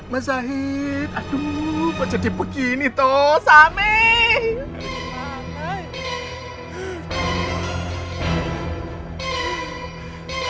masyaih aduh kok jadi begini tuh sampai